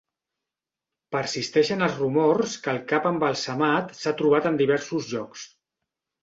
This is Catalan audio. Persisteixen els rumors que el cap embalsamat s'ha trobat en diversos llocs.